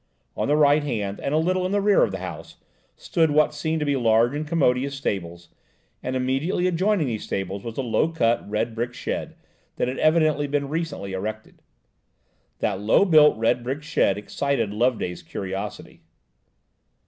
On the right hand, and a little in the rear of the house, stood what seemed to be large and commodious stables, and immediately adjoining these stables was a low built, red brick shed, that had evidently been recently erected. That low build, red brick shed excited Loveday's curiosity.